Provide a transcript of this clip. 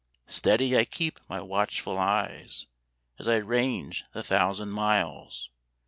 Steady I keep my watchful eyes, As I range the thousand miles.